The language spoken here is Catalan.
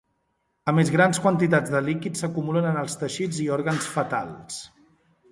A més grans quantitats de líquid s'acumulen en els teixits i òrgans fetals.